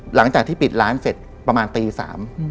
หลังจากที่ปิดร้านเสร็จประมาณตีสาม